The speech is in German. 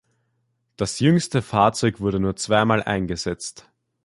Das jüngste Fahrzeug wurde nur zweimal eingesetzt.